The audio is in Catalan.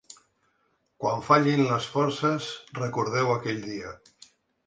Quan fallin les forces recordeu aquell dia.